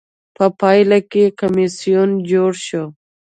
په پایله کې کمېسیون جوړ شو.